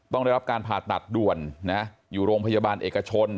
ได้รับการผ่าตัดด่วนนะอยู่โรงพยาบาลเอกชน